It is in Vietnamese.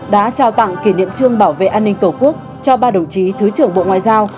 đã trao tặng kỷ niệm trương bảo vệ an ninh tổ quốc cho ba đồng chí thứ trưởng bộ ngoại giao